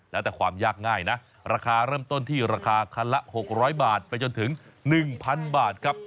แล้วแต่ความยากง่ายนะราคาเริ่มต้นที่ราคาคันละ๖๐๐บาทไปจนถึง๑๐๐๐บาทครับ